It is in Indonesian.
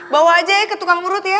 bawa aja ya ke tukang perut ya